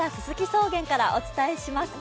草原からお伝えします。